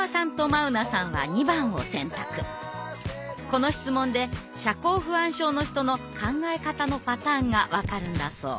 この質問で社交不安症の人の考え方のパターンが分かるんだそう。